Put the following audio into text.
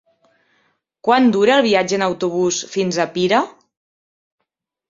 Quant dura el viatge en autobús fins a Pira?